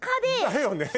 だよね